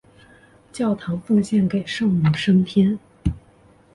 教堂奉献给圣母升天。